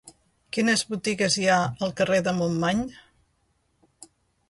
Quines botigues hi ha al carrer de Montmany?